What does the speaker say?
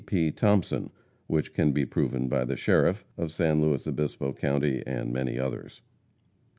D. P. Thompson, which can be proven by the sheriff of San Luis Obispo county, and many others.